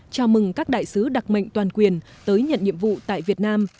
chào mừng các đại sứ đặc mệnh toàn quyền tới nhận nhiệm vụ tại việt nam